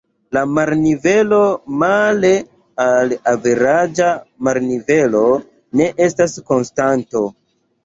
La marnivelo male al averaĝa marnivelo ne estas konstanto.